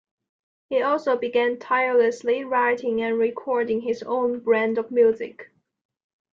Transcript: He also began tirelessly writing and recording his own brand of music.